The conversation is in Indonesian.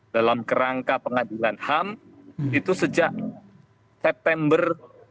dalam kerangka pengadilan ham itu sejak september dua ribu dua puluh